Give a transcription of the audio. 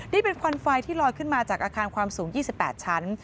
นี่เป็นควันไฟที่ลอยขึ้นมาจากอาคารความสูง๒๘ชั้น